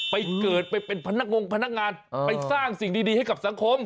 ไปเกิดไปเป็นพนักงงพนักงานไปสร้างสิ่งดีให้กับสังคม